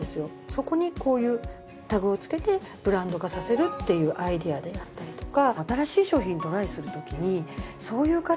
そこにこういうタグをつけてブランド化させるっていうアイデアであったりとか。